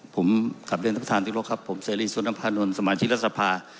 ผมขับเรียนทางประทานทุกโลกครับผมเศรีสุนัมพานนท์สมาชิกรสภา